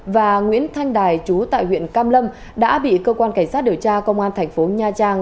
và nguyễn thanh đài chú tại huyện cam lâm đã bị cơ quan cảnh sát điều tra công an thành phố nha trang